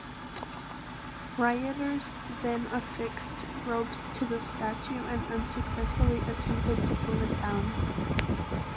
Rioters then affixed ropes to the statue and unsuccessfully attempted to pull it down.